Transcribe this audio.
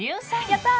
やった！